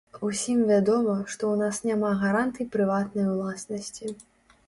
Усім вядома, што ў нас няма гарантый прыватнай уласнасці.